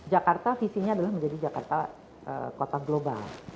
jakarta visinya adalah menjadi jakarta kota global